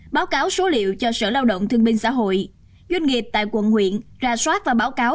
báo cáo số liệu cho sở lao động thương minh xã hội doanh nghiệp tại quận nguyện rà soát và báo cáo